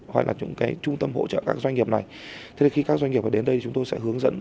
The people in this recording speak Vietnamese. hoặc là những cái trung tâm hỗ trợ các doanh nghiệp này thế thì khi các doanh nghiệp phải đến đây chúng tôi sẽ hướng dẫn